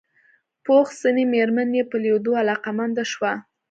پوخ سنې مېرمن يې په ليدو علاقه منده شوه.